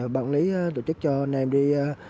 bạn lý tổ chức cho anh em đi